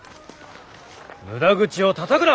無駄口をたたくな！